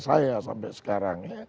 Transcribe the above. saya sampai sekarang ya